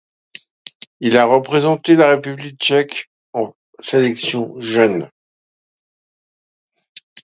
Il a représenté la République tchèque en sélection jeunes.